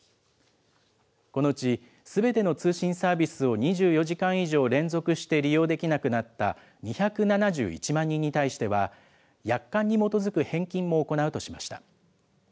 このうちすべての通信サービスを２４時間以上連続して利用できなくなった、２７１万人に対しては、約款に基づく返金も行うとしました。